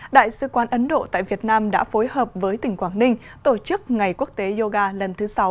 đại sứ quán ấn độ tại việt nam đã phối hợp với tỉnh quảng ninh tổ chức ngày quốc tế yoga lần thứ sáu